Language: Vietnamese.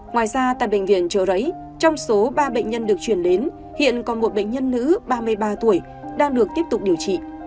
ngoài ra tại bệnh viện trợ rẫy trong số ba bệnh nhân được chuyển đến hiện còn một bệnh nhân nữ ba mươi ba tuổi đang được tiếp tục điều trị